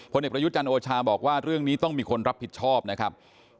เอกประยุจันทร์โอชาบอกว่าเรื่องนี้ต้องมีคนรับผิดชอบนะครับ